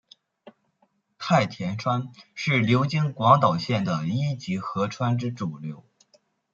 太田川是流经广岛县的一级河川之主流。